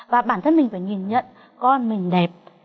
và bản thân mình phải nhìn nhận con mình đẹp